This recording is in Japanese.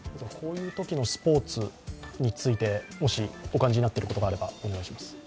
こういうときのスポーツについてもし、お感じになっていることがあれば、お願いします。